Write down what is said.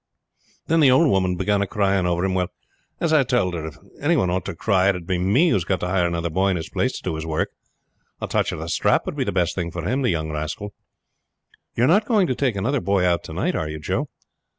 Then the old woman began a crying over him; while, as I told her, if any one ought to cry it would be me, who's got to hire another boy in his place to do his work. A touch of the strap would be the best thing for him, the young rascal!" "You are not going to take another boy out to night are you, Joe?"